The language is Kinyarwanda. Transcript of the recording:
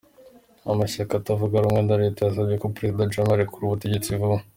Amashyaka atavuga rumwe na leta yasabye ko Perezida Jammeh arekura ubutegetsi vuba.